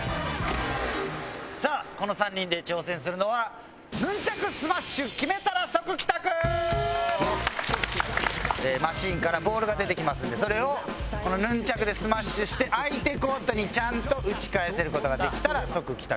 さあこの３人で挑戦するのはマシンからボールが出てきますのでそれをこのヌンチャクでスマッシュして相手コートにちゃんと打ち返せる事ができたら即帰宅。